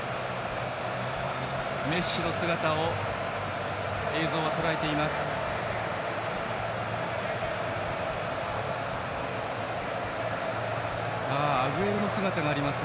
メッシの姿を映像はとらえています。